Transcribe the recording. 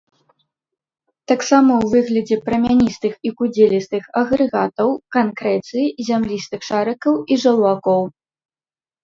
Таксама ў выглядзе прамяністых і кудзелістых агрэгатаў, канкрэцыі, зямлістых шарыкаў і жаўлакоў.